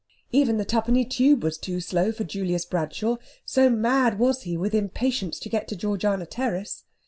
Even the Twopenny Tube was too slow for Julius Bradshaw, so mad was he with impatience to get to Georgiana Terrace.